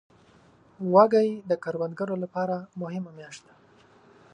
وږی د کروندګرو لپاره مهمه میاشت ده.